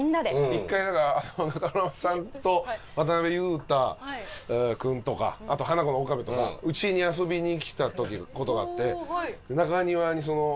１回なんか中村さんと渡邊雄太君とかあとハナコの岡部とかうちに遊びに来た事があって中庭にその。